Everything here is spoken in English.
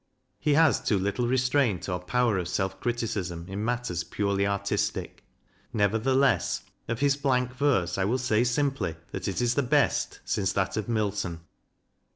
He has too little restraint or power of self criticism in matters purely artistic. Nevertheless, of his blank verse I will say simply that it is the best since that of Milton.